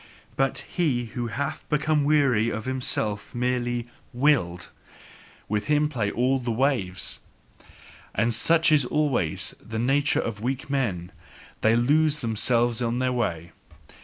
But he who hath become weary, is himself merely "willed"; with him play all the waves. And such is always the nature of weak men: they lose themselves on their way.